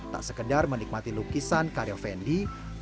tak sekedar menikmati lukisan karya fendi